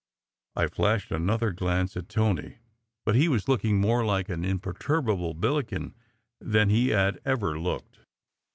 I flashed another glance at Tony but he was looking more like an imperturbable Billi ken than he had ever looked.